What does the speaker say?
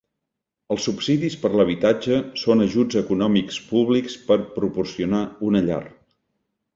Els subsidis per l'habitatge son ajuts econòmics públics per proporcionar una llar.